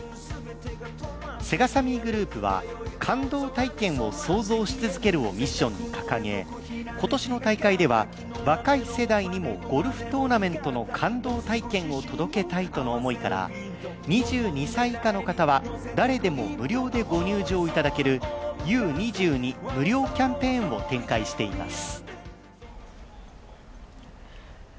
セガサミーグループは感動体験を想像し続けるをミッションに掲げ、今回の大会でも若い世代にもゴルフトーナメントの感動体験を届けたいとの思いから２２歳以下の方は誰でも無料でご入場いただけるＵ−２２無料キャンペーンを展開しています。